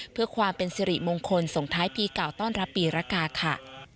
เพื่อความเป็นสิริมงคลส่งท้ายปีเก่าต้อนรับปีรกาค่ะ